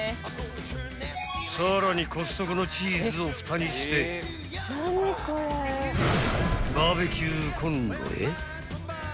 ［さらにコストコのチーズをふたにしてバーベキューコンロへ］